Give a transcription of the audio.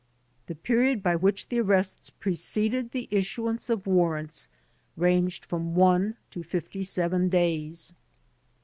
The period by which the arrests preceded the issuance of warrants ranged from one to fifty seven days.